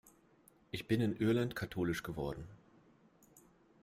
Ich bin in Irland katholisch geworden.